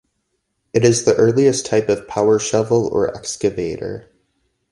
It is the earliest type of power shovel or excavator.